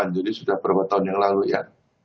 jadi sudah berapa tahun yang lalu ya